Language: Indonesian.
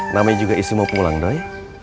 nama juga isimu pulang doi